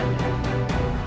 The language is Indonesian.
ini kamar dinda subang lara